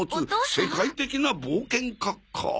世界的な冒険家か。